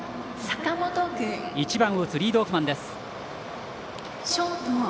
坂本、１番を打つリードオフマンです。